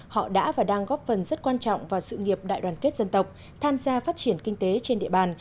họ đã và đang góp phần rất quan trọng vào sự nghiệp đại đoàn kết dân tộc tham gia phát triển kinh tế trên địa bàn